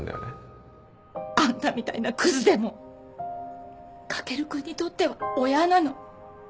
あんたみたいなクズでも駆くんにとっては親なの。